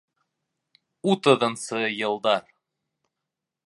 Утыҙынсы йылдар